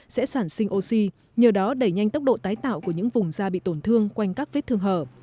sẽ sản sinh oxy nhờ đó đẩy nhanh tốc độ tái tạo của những vùng da bị tổn thương quanh các vết thương hở